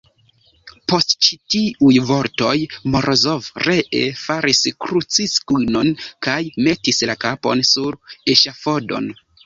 Post ĉi tiuj vortoj Morozov ree faris krucsignon kaj metis la kapon sur eŝafodon.